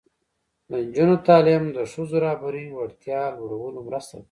د نجونو تعلیم د ښځو رهبري وړتیا لوړولو مرسته ده.